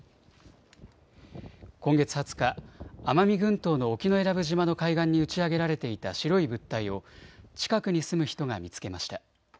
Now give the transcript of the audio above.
今月２０日、奄美群島の沖永良部島の海岸に打ち上げられていた白い物体を近くに住む人が見つけました。